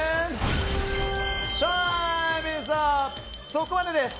そこまでです。